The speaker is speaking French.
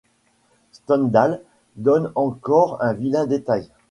Stendhal donne encore un vilain détail.